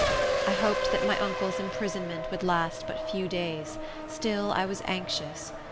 I hoped that my uncle's imprisonment would last but few days; still I was anxious.